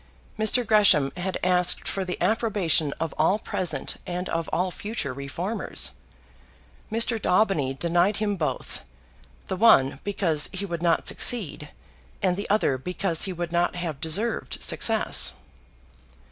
Mr. Gresham had asked for the approbation of all present and of all future reformers. Mr. Daubeny denied him both, the one because he would not succeed, and the other because he would not have deserved success.